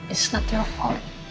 ini bukan salahmu